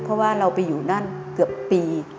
เพราะว่าเราไปอยู่นั่นเกือบปี